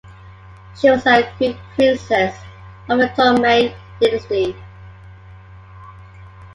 She was a Greek Princess of the Ptolemaic dynasty.